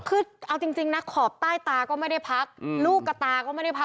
คือเอาจริงนะขอบใต้ตาก็ไม่ได้พักลูกกระตาก็ไม่ได้พัก